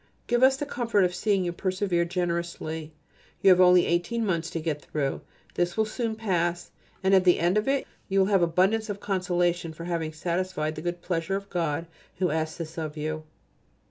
Give us the comfort of seeing you persevere generously. You have only eighteen months to get through. It will soon pass, and at the end of it you will have abundance of consolation for having satisfied the good pleasure of God who asks this of you.